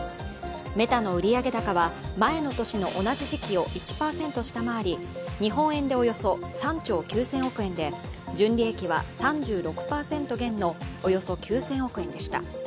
メタの売上高は、前の年の同じ時期を１％下回り日本円でおよそ３兆９０００億円で純利益は３６％減のおよそ９０００億円でした。